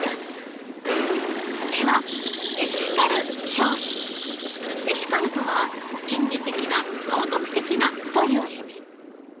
それはエシカルとは「倫理的な」「道徳的な」という意味。